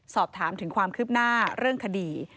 สอบถามถึงความคืบหน้าเรื่องคดี